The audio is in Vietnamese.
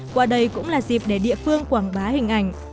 qua đây cũng là dịp để địa phương quảng bá hình ảnh